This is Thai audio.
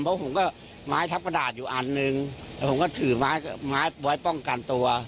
เพราะผมก็ไม้ทับกระดาษอยู่อันหนึ่งแล้วผมก็ถือไม้ไม้ไว้ป้องกันตัว